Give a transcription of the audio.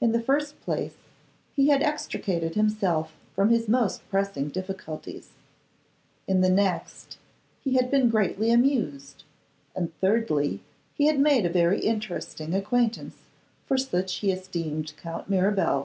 In the first place, he had extricated himself from his most pressing difficulties; in the next, he had been greatly amused; and thirdly, he had made a very interesting acquaintance, for such he esteemed Count Mirabel.